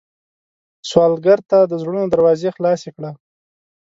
سوالګر ته د زړونو دروازې خلاصې کړه